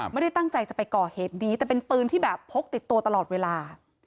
ไม่ได้ตั้งใจจะไปก่อเหตุนี้แต่เป็นปืนที่แบบพกติดตัวตลอดเวลา